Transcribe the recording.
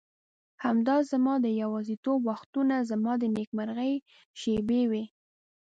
همدا زما د یوازیتوب وختونه زما د نېکمرغۍ شېبې وې.